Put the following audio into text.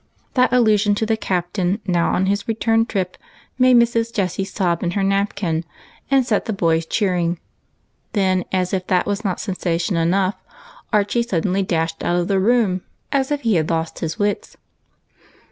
That allusion to the Captain, now on his return trip, 232 EIGHT ^ COUSINS. made Mrs. Jessie sob in her naiDkin, and set the boys cheering. Then, as if that was not sensation enough, Archie suddenly dashed out of the room as if he had lost his wits.